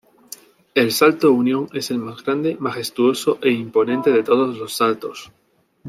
El Salto Unión es el más grande, majestuoso e imponente de todos los saltos.